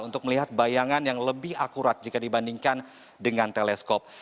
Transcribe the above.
untuk melihat bayangan yang lebih akurat jika dibandingkan dengan teleskop